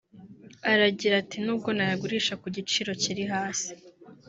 Aragira ati “nubwo nayagurisha ku giciro kiri hasi